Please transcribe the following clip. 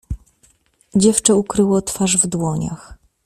"Dziewczę ukryło twarz w dłoniach."